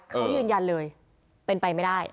เขายืนยันเลยเป็นไปไม่ได้